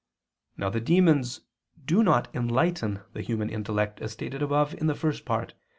Now the demons do not enlighten the human intellect, as stated above in the First Part (Q.